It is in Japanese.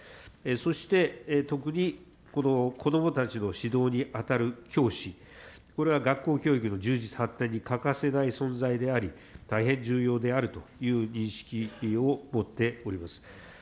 そして、特にこの子どもたちの指導に当たる教師、これは学校教育の充実、発展に欠かせない存在であり、大変重要であるという認識を持っております。